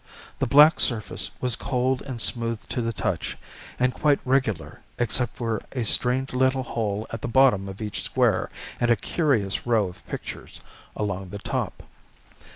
The black surface was cold and smooth to the touch and quite regular except for a strange little hole at the bottom of each square and a curious row of pictures along the top.